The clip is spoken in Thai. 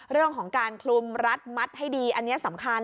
เรื่องของการคลุมรัดมัดให้ดีอันนี้สำคัญ